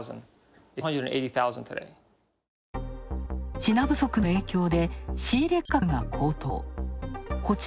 品不足の影響で仕入れ価格が高騰。